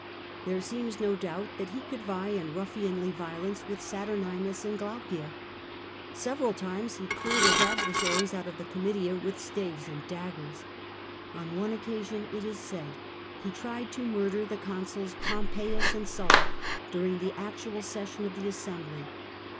There seems no doubt that he could vie in ruflSanly violence with Saturninus and Glaucia. Several times he cleared his adversaries out of the Comitia with staves and daggers. On one occasion, it is said, he tried to murder the consuls Pompeius and Sulla during the actual session of the assembly.